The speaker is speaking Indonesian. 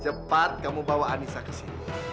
cepat kamu bawa anissa ke sini